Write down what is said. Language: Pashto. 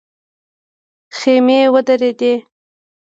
خيمې ودرېدې.